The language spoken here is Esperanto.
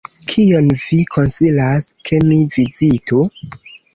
Kion vi konsilas, ke mi vizitu?